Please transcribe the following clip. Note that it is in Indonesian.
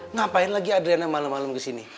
ngapain lagi adriana malam malam kesini